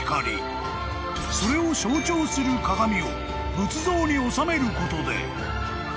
［それを象徴する鏡を仏像に納めることで］